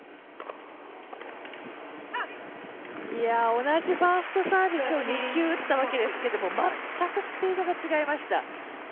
同じファーストサービスを２球打ったわけですけど全くスピードが違いました。